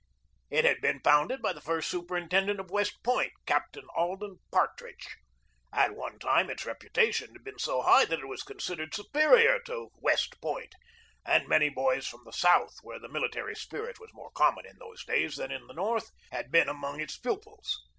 It had been founded by the first superintendent of West Point, Captain Alden Partridge. At one time its reputa tion had been so high that it was considered supe rior to West Point, and many boys from the South, where the military spirit was more common in those days than in the North, had been among its pupils.